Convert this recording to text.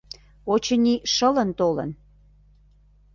Очыни, шылын толын.